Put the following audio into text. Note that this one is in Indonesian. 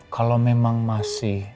kalau memang masih